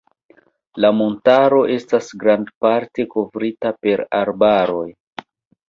La montaro estas grandparte kovrita per arbaroj.